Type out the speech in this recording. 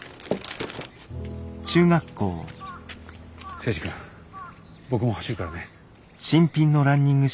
征二君僕も走るからね。